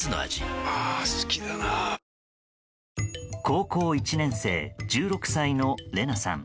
高校１年生１６歳のれなさん。